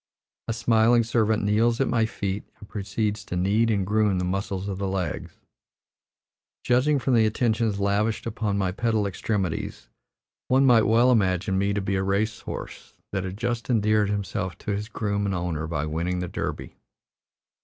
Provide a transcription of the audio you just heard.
A smiling servant kneels at my feet and proceeds to knead and "groom" the muscles of the legs. Judging from the attentions lavished upon my pedal extremities, one might well imagine me to be a race horse that had just endeared himself to his groom and owner by winning the Derby.